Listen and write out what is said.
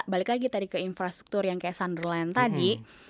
balik lagi tadi ke infrastruktur yang kayak sanderline tadi